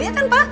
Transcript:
iya kan pak